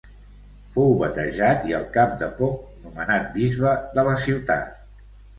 Fou batejat i al cap de poc nomenat bisbe de la ciutat.